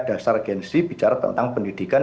dasar gengsi bicara tentang pendidikan